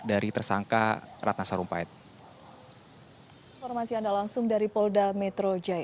dari tersangka ratna sarumpet